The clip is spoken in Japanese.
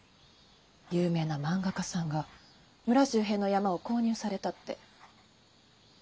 有名な漫画家さんが村周辺の山を購入されたって。